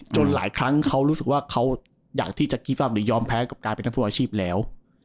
หลายครั้งเขารู้สึกว่าเขาอยากที่จะกี้ฟัมหรือยอมแพ้กับการเป็นนักฟุตบอลอาชีพแล้ว